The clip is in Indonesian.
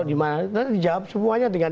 di mana terus dijawab semuanya dengan